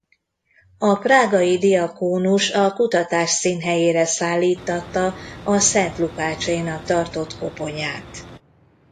A prágai diakónus a kutatás színhelyére szállíttatta a Szent Lukácsénak tartott koponyát.